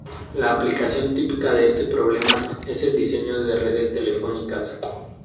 La aplicación típica de este problema es el diseño de redes telefónicas.